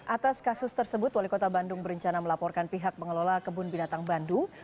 atas kasus tersebut wali kota bandung berencana melaporkan pihak pengelola kebun binatang bandung